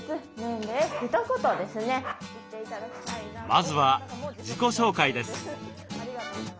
まずは自己紹介です。